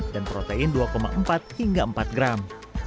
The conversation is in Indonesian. dan protein dua empat hingga empat gram